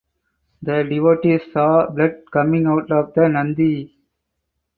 The devotees saw blood coming out of the Nandhi.